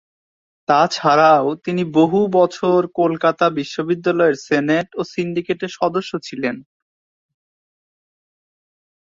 তা ছাড়াও তিনি বহু বছর কলকাতা বিশ্ববিদ্যালয়ের সেনেট ও সিন্ডিকেটের সদস্য ছিলেন।